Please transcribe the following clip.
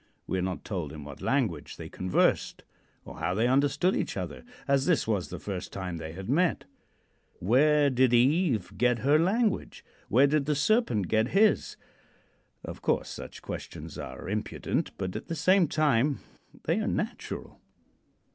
We are not told in what language they conversed, or how they understood each other, as this was the first time they had met. Where did Eve get her language? Where did the Serpent get his? Of course, such questions are impudent, but at the same time they are natural.